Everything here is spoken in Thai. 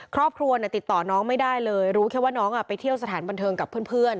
ครอบครัวติดต่อน้องไม่ได้เลยรู้แค่ว่าน้องไปเที่ยวสถานบันเทิงกับเพื่อน